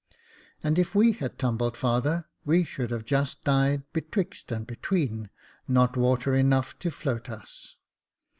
" And if we had tumbled, father, we should have just died betwixt and between, not water enough to float us.